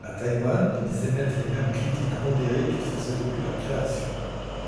À Taïwan, ils émettent les mêmes critiques modérés qu'ils faisaient depuis leur création.